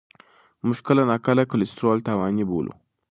موږ کله ناکله کلسترول تاواني بولو.